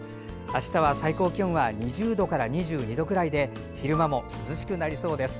あしたは最高気温は２０度から２２度くらいで昼間も涼しくなりそうです。